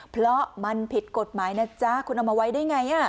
เพราะมันผิดกฎหมายนะจ๊ะคุณเอามาไว้ได้ไง